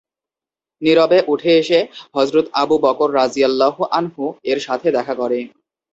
নীরবে উঠে এসে হযরত আবু বকর রাযিয়াল্লাহু আনহু-এর সাথে দেখা করে।